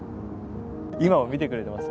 今も見てくれてます。